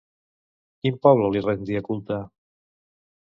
Quin poble li rendia culte?